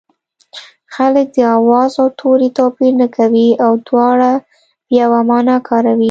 خلک د آواز او توري توپیر نه کوي او دواړه په یوه مانا کاروي